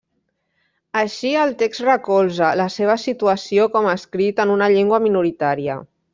Així el text recolza la seva situació com escrit en una llengua minoritària.